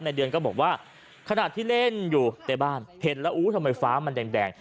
เดือนก็บอกว่าขณะที่เล่นอยู่ในบ้านเห็นแล้วอู้ทำไมฟ้ามันแดง